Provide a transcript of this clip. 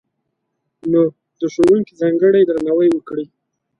نو، د ښوونکي ځانګړی درناوی وکړئ!